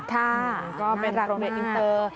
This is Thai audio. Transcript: ค่ะก็เป็นรักในอินเตอร์